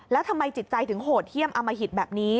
แล้วทำไมจิตใจถึงโหดเยี่ยมอมหิตแบบนี้